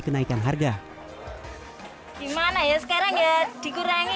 kenaikan harga gimana yes ya sekarang ya hai shaleh pendapatan juga menurun biasanya beli satu ratus dua puluh enam